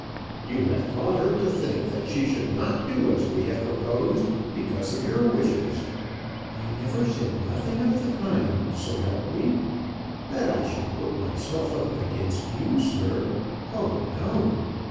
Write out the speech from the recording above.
"You have taught her to think that she should not do as we have proposed, because of your wishes." "I never said nothing of the kind, so help me. That I should put myself up again you, sir! Oh no!